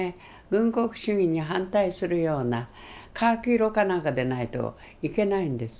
軍国主義に反対するようなカーキ色かなんかでないといけないんです。